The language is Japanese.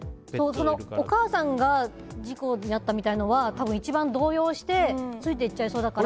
お母さんが事故に遭ったみたいなのは動揺してついていっちゃいそうだから。